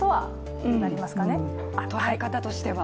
とらえ方としては。